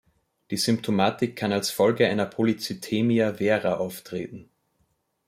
Die Symptomatik kann als Folge einer Polycythaemia vera auftreten.